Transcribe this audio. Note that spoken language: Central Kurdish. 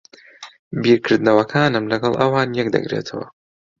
بیرکردنەوەکانم لەگەڵ ئەوان یەک دەگرێتەوە.